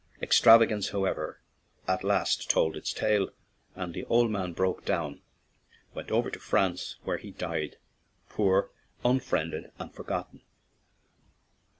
Extravagance, however, at last told its tale, and the old man, broken down, went over to France, where he died, "poor, un friended, and forgotten."